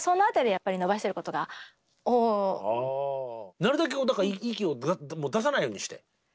なるだけ息をグッと出さないようにして？